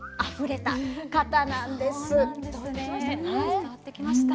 伝わってきましたよね。